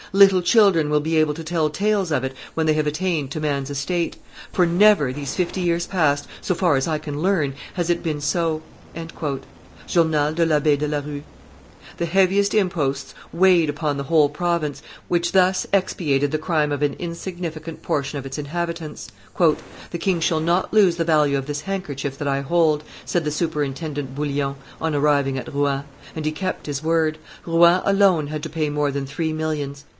Little children will be able to tell tales of it when they have attained to man's estate; for never, these fifty years past, so far as I can learn, has it been so." [Journal de l'Abbe de la Rue.] The heaviest imposts weighed upon the whole province, which thus expiated the crime of an insignificant portion of its inhabitants. "The king shall not lose the value of this handkerchief that I hold," said the superintendent Bullion, on arriving at Rouen. And he kept his word: Rouen alone had to pay more than three millions.